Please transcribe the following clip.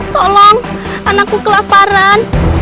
tolong anakku kelaparan